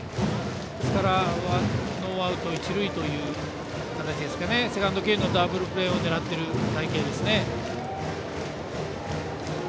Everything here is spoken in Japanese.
ですから、ノーアウト一塁という形でセカンド経由のダブルプレーを狙っている隊形ですね。